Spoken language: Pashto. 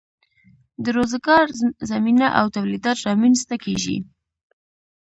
د روزګار زمینه او تولیدات رامینځ ته کیږي.